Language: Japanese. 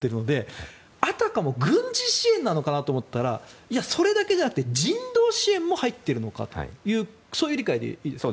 この図だと支援の先のヒズボラは攻撃とかになってるのであたかも軍事支援なのかと思ったらそれだけじゃなくて人道支援も入っているというそういう理解でいいですか。